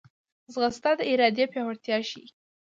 ځغاسته د ارادې پیاوړتیا ښيي